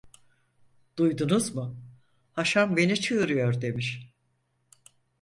'Duydunuz mu? Haşan beni çığırıyor!' demiş.